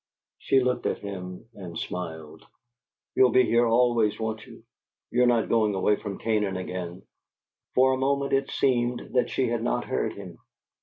She looked at him and smiled. "You'll be here always, won't you? You're not going away from Canaan again?" For a moment it seemed that she had not heard him.